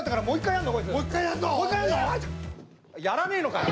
もう一回やるの！？